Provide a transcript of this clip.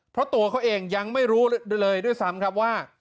เพราะตัวเขาเองยังไม่รู้เลยด้วยซ้ำครับว่า